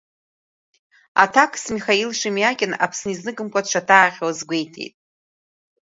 Аҭакс Михаил Шемиакин Аԥсны изныкымкәа дшаҭаахьо азгәеиҭеит.